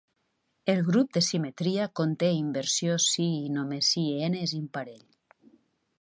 El grup de simetria conté inversió si i només si n és imparell.